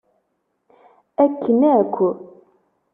Akken akk!